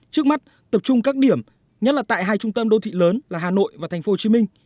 trước mắt tập trung các điểm nhất là tại hai trung tâm đô thị lớn là hà nội và tp hcm